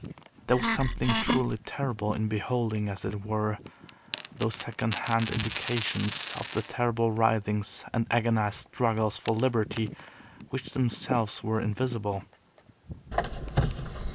There was something truly terrible in beholding, as it were, those second hand indications of the terrible writhings and agonized struggles for liberty which themselves were invisible.